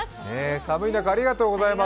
寒い中ありがとうございます。